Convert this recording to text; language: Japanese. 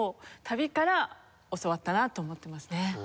旅から教わったなと思ってますね。